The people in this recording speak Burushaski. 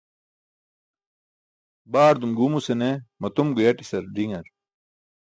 Baardum guumuse ne matum guyaṭisaṭar diṅar.